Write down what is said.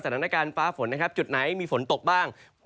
สถานการณ์ฟ้าฝนนะครับจุดไหนมีฝนตกบ้าง